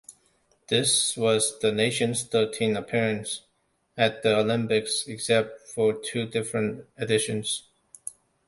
This was the nation's thirteenth appearance at the Olympics, except for two different editions.